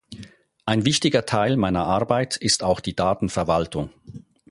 Ein wichtiger Teil meiner Arbeit ist auch die Datenverwaltung.